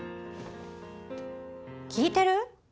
聞いてる？